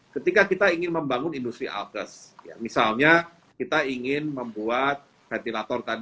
ketika kita ingin membangun industri alkes misalnya kita ingin membuat ventilator tadi